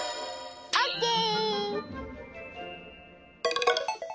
オッケー！